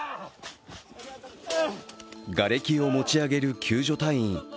がれきを持ち上げる救助隊員。